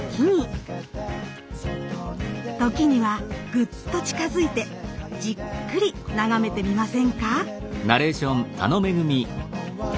時にはグッと近づいてじっくり眺めてみませんか。